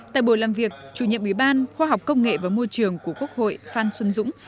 tại buổi làm việc chủ nhiệm ủy ban khoa học công nghệ và môi trường của quốc hội phan xuân dũng